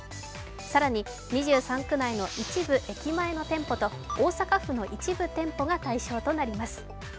更に、２３区内の一部駅前の店舗と大阪府の一部店舗が対象となります。